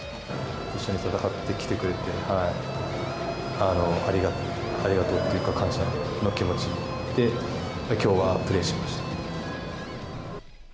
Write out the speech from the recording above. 一緒に戦ってきてくれて、ありがとうというか、感謝の気持ちで、きょうはプレーしました。